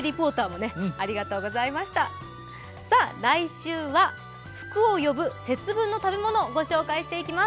来週は福を呼ぶ節分の食べ物をご紹介していきます。